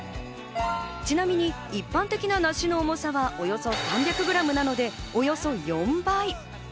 ちなみに一般的な梨の重さはおよそ３００ｇなので、およそ４倍。